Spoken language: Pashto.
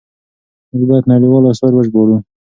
موږ بايد نړيوال آثار وژباړو.